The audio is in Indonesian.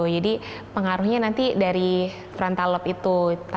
jadi pengaruhnya nanti dari frontal lobe itu